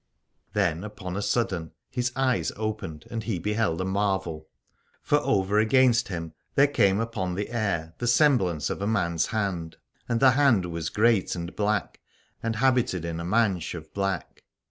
Then upon a sudden his eyes opened and he beheld a marvel. For over against him there came upon the air the semblance of a man's hand : and the hand was great and black, and habited in a manch of black.